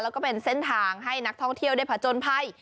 แล้วก็เป็นเส้นทางให้นักท่องเที่ยวได้ผจญภัย